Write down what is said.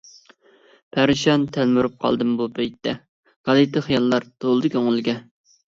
پەرىشان تەلمۈرۈپ قالدىم بۇ پەيتتە، غەلىتە خىياللار تولدى كۆڭۈلگە.